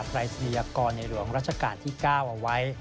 ปรายศนียากรในหลวงรัชกาลที่๙เอาไว้